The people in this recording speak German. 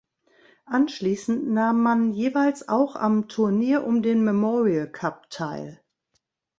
Anschließend nahm man jeweils auch am Turnier um den Memorial Cup teil.